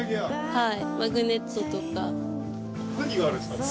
はい。